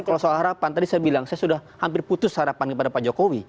kalau soal harapan tadi saya bilang saya sudah hampir putus harapan kepada pak jokowi